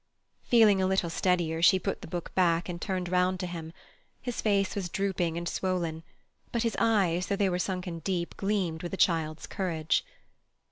Feeling a little steadier, she put the book back and turned round to him. His face was drooping and swollen, but his eyes, though they were sunken deep, gleamed with a child's courage.